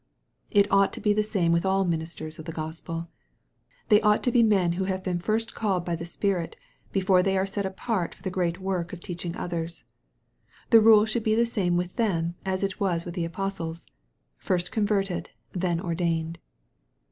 It ought to be the same with all ministers of the Gos pel. They ought to be men who have been first called by the Spirit, before they are set apart for the great work of teaching others. The rule should be the same with them as with the apostles " first converted, then ordained.'